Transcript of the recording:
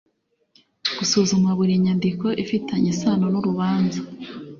Gusuzuma buri nyandiko ifitanye isano nurubanza